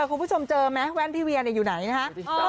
คุณผู้ชมเจอไหมแว่นพี่เวียอยู่ไหนนะคะ